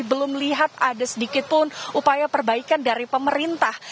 belum lihat ada sedikit pun upaya perbaikan dari pemerintah